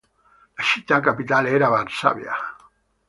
La città capitale era Varsavia.